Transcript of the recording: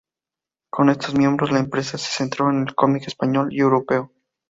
Con estos miembros, la empresa se centró en el cómic español y europeo.